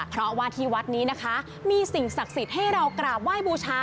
เพราะว่าที่วัดนี้นะคะมีสิ่งศักดิ์สิทธิ์ให้เรากราบไหว้บูชา